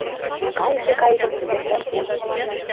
Кайыше кайыкым кучен ом керт.